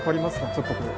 ちょっとこう。